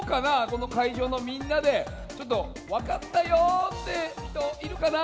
このかいじょうのみんなでちょっとわかったよってひといるかな？